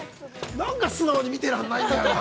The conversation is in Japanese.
◆何か素直に見てらんないんだよなあ。